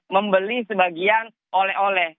membeli sebagian oleh oleh